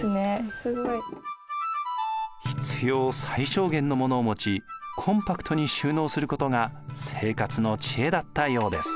必要最小限のものを持ちコンパクトに収納することが生活の知恵だったようです。